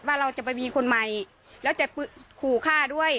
ว่าเราจะไปมีคนใหม่แล้วจะขู่ฆ่าด้วย